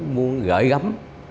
muốn gởi gắm